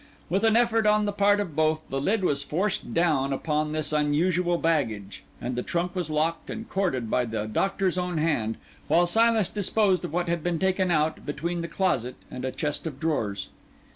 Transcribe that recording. With an effort on the part of both, the lid was forced down upon this unusual baggage, and the trunk was locked and corded by the Doctor's own hand, while Silas disposed of what had been taken out between the closet and a chest of drawers.